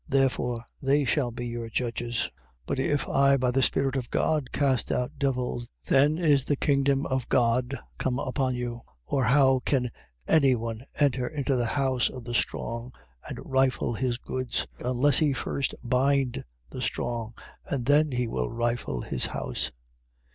Therefore they shall be your judges. 12:28. But if I by the Spirit of God cast out devils, then is the kingdom of God come upon you. 12:29. Or how can any one enter into the house of the strong, and rifle his goods, unless he first bind the strong? and then he will rifle his house.